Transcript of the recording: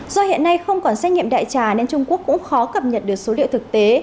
do hiện nay không còn xét nghiệm đại trà nên trung quốc cũng khó cập nhật được số liệu thực tế